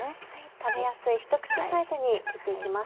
食べやすいひと口サイズに切って行きます。